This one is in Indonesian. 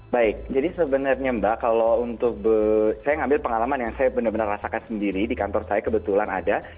baik jadi sebenarnya mbak kalau untuk saya ngambil pengalaman yang saya benar benar rasakan sendiri di kantor saya kebetulan ada